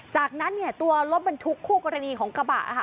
จากนั้นเนี่ยตัวรถบรรทุกคู่กรณีของกระบะค่ะ